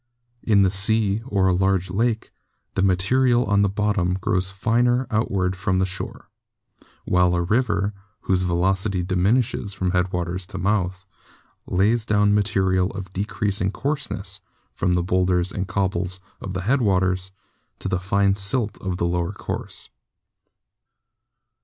In the sea, or a large lake, the material on the bottom grows finer outward from the shore, while a river, whose velocity diminishes from headwaters to mouth, lays down material of decreasing coarseness, from the boulders and cobbles of the headwaters to the fine silt of the lower course.